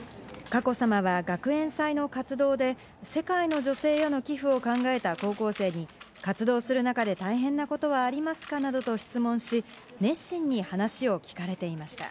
佳子さまは学園祭の活動で、世界の女性への寄付を考えた高校生に、活動する中で大変なことはありますかなどと質問し、熱心に話を聞かれていました。